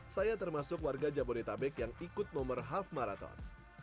saya termasuk warga jabodetabek yang ikut nomor half maraton